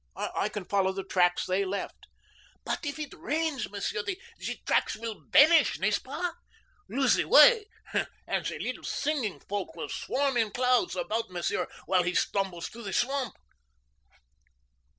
I can follow the tracks they left." "But if it rains, Monsieur, the tracks will vaneesh, n'est ce pas? Lose the way, and the little singing folk will swarm in clouds about Monsieur while he stumbles through the swamp."